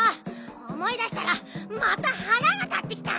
おもい出したらまたはらが立ってきた！